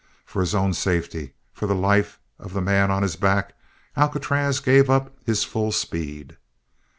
For his own safety, for the life of the man on his back, Alcatraz gave up his full speed.